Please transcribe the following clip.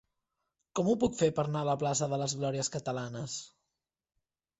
Com ho puc fer per anar a la plaça de les Glòries Catalanes?